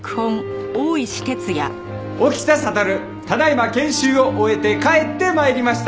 沖田悟ただ今研修を終えて帰って参りました！